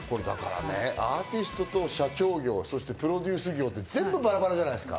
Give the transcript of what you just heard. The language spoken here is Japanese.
アーティストと社長業、プロデュース業、全部バラバラじゃないですか。